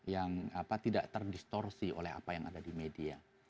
yang tidak terdistorsi oleh apa yang ada di media